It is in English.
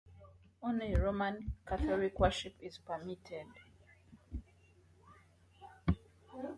Only Roman Catholic worship was permitted.